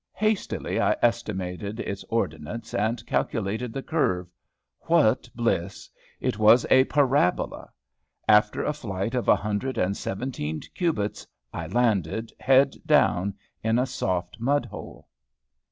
Hastily I estimated its ordinates, and calculated the curve. What bliss! It was a parabola! After a flight of a hundred and seventeen cubits, I landed, head down, in a soft mud hole.